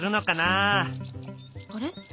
あれ？